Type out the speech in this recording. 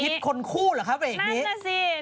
รวมฮิตคนคู่เหรอครับไปอีกนี้